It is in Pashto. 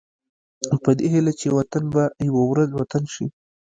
په دې هيله چې وطن به يوه ورځ وطن شي.